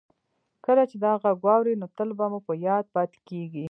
کله چې دا غږ واورئ نو تل مو په یاد پاتې کیږي